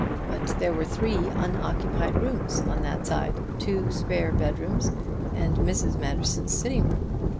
But there were three unoccupied rooms on that side: two spare bedrooms and Mrs. Manderson's sitting room.